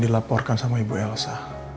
dilaporkan sama ibu elsa